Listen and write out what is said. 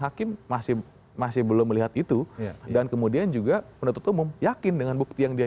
hakim masih masih belum melihat itu dan kemudian juga penutup umum yakin dengan bukti yang dia